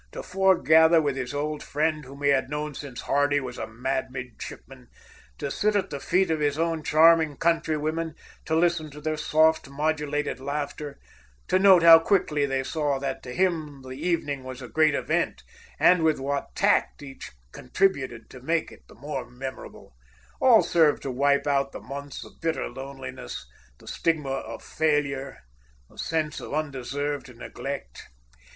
To foregather with his old friend whom he had known since Hardy was a mad midshipman, to sit at the feet of his own charming countrywomen, to listen to their soft, modulated laughter, to note how quickly they saw that to him the evening was a great event, and with what tact each contributed to make it the more memorable; all served to wipe out the months of bitter loneliness, the stigma of failure, the sense of undeserved neglect.